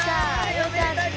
よかった。